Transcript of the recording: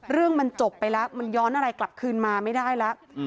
เรื่องมันจบไปแล้วมันย้อนอะไรกลับคืนมาไม่ได้แล้ว